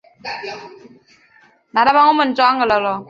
雷兽是奇蹄目下一科已灭绝的哺乳动物。